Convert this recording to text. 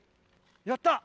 やった！